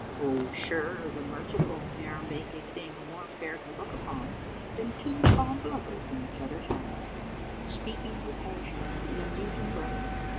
Oh! sure the merciful Ne'er make a thing more fair to look upon, Than two fond lovers in each other's arms, Speaking their passion in a mute embrace.